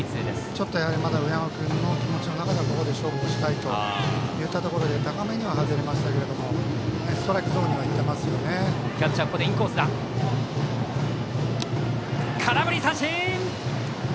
ちょっとまだ上山君の気持ちの中では勝負をしたいといったところで高めには外れましたけどストライクゾーンには空振り三振！